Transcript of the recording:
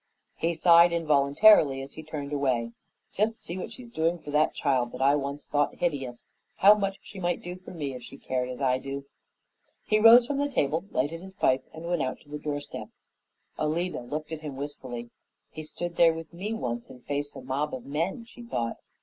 He sighed involuntarily as he turned away. "Just see what she's doing for that child that I once thought hideous! How much she might do for me if she cared as I do!" He rose from the table, lighted his pipe, and went out to the doorstep. Alida looked at him wistfully. "He stood there with me once and faced a mob of men," she thought.